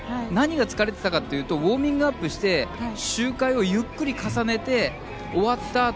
何が疲れてたかというとウォーミングアップして周回をゆっくり重ねて終わった